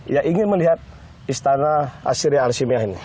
yang ingin melihat istana asri arsimia ini